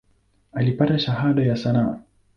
Alipata Shahada ya sanaa.